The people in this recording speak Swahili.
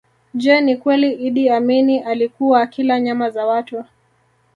Je ni kweli Iddi Amini alikuwa akila nyama za watu